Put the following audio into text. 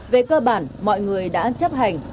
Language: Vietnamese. về cơ bản mọi người đã chắc chắn